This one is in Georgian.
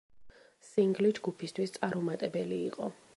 სინგლი ჯგუფისთვის წარუმატებელი იყო.